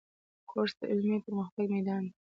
کورس د علمي پرمختګ میدان دی.